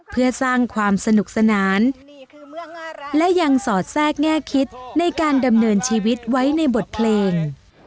เพื่อสร้างความสนุกสนานและยังสอดแทรกแง่คิดในการดำเนินชีวิตไว้ในบทเพลง